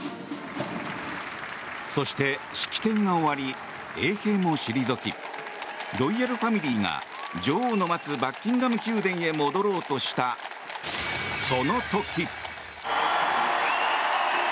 そして式典が終わり衛兵も退きロイヤルファミリーが女王の待つバッキンガム宮殿に戻ろうとした、その時。